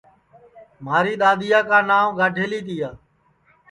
مھاری دؔادؔیا کا نانٚو گاڈؔیلی تِیا